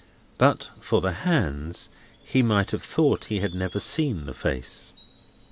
But for the hands, he might have thought he had never seen the face.